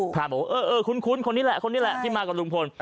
พรานบอกว่าเออคุ้นคนนี้แหละที่มากับลุงพล